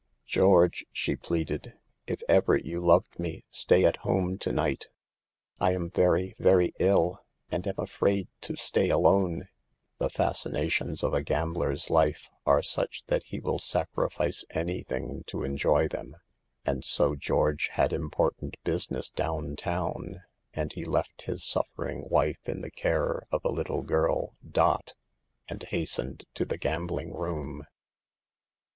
" George," she pleaded, "if ever you loved me, stay at home to night. I am very, very ill, and am afraid to stay alone." The fascinations of a gambler's life are such that he will sacrifice any thing to enjoy them. And so George had important busi ness down town, and he left his suffering wife in the care of a little girl, " Dot," and hastened to the gambling room.